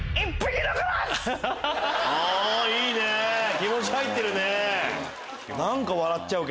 気持ち入ってるね！